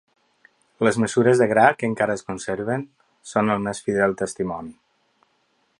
Les mesures de gra, que encara es conserven, són el més fidel testimoni.